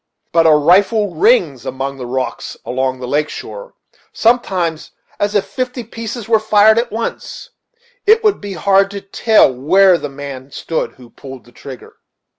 But a rifle rings among the rocks along the lake shore, sometimes, as if fifty pieces were fired at once it would be hard to tell where the man stood who pulled the trigger."